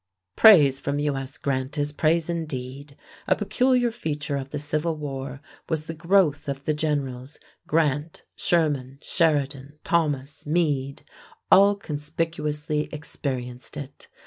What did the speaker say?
Praise from U.S. Grant is praise indeed. A peculiar feature of the Civil War was the growth of the generals: Grant, Sherman, Sheridan, Thomas, Meade, all conspicuously experienced it.